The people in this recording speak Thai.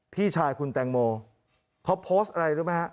พี่ชายคุณแตงโมเขาโพสต์อะไรรู้ไหมฮะ